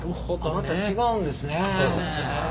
また違うんですね。